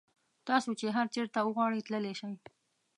تاسو چې هر چېرته وغواړئ تللی شئ.